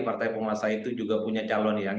partai penguasa itu juga punya calon yang